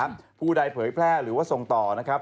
อย่างผู้ไดเผยแพร่หรือว่าทดสอบ